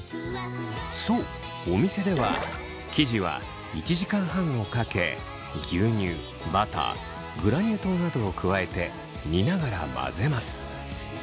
そうお店では生地は１時間半をかけ牛乳バターグラニュー糖などを加えて煮ながら混ぜます。